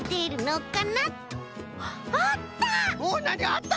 あった！